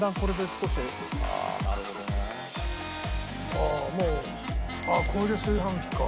あっもうこれで炊飯器か。